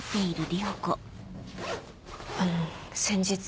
あの先日は。